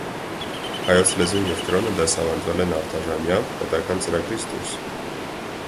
Հայոց լեզուն և կրոնը դասավանդվել են արտաժամյա՝ պետական ծրագրից դուրս։